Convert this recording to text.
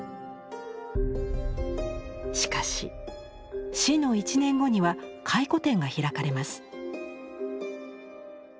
しかし死の１年後には回顧展が開かれます。